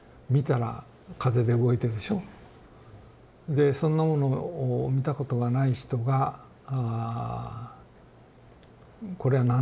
でそんなものを見たことがない人が「こりゃなんだ？」ですよね。